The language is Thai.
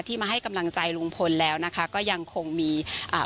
มาให้กำลังใจลุงพลแล้วนะคะก็ยังคงมีอ่า